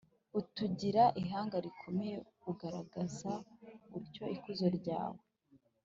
utugira ihanga rikomeye, ugaragaza utyo ikuzo ryawe,